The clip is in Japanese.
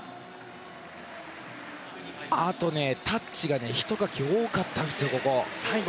あと、タッチがひとかき多かったんですよ。